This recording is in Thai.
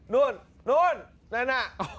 นู้นนู้นนั่นนะ